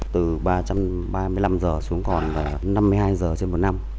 từ ba trăm ba mươi năm giờ xuống còn năm mươi hai giờ trên một năm